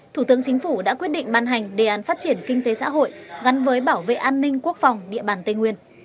thủ tướng chính phủ đã quyết định ban hành đề án phát triển kinh tế xã hội gắn với bảo vệ an ninh quốc phòng địa bàn tây nguyên